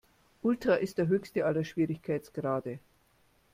Ultra ist der höchste aller Schwierigkeitsgrade.